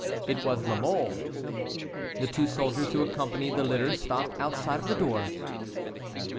It was La Mole. The two soldiers who accompanied the litter stopped outside of the door.